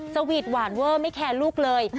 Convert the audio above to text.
สวีทหวานเวอร์ไม่แคร์ลูกเลย